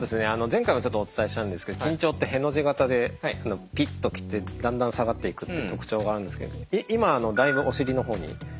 前回もちょっとお伝えしたんですけど緊張ってへの字型でピッと来てだんだん下がっていくって特徴があるんですけど今だいぶお尻の方に。